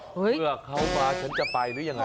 เมื่อเขามาฉันจะไปหรือยังไง